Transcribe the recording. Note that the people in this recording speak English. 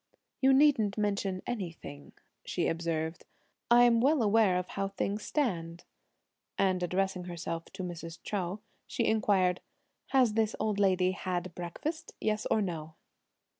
"You needn't mention anything," she observed, "I'm well aware of how things stand;" and addressing herself to Mrs. Chou, she inquired, "Has this old lady had breakfast, yes or no?"